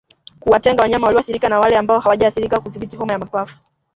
Kuwatenga wanyama walioathirika na wale ambao hawajaathirika hudhibiti homa ya mapafu